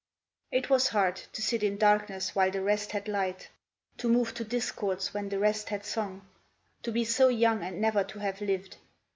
It was hard To sit in darkness while the rest had light, To move to discords when the rest had song, To be so young and never to have lived.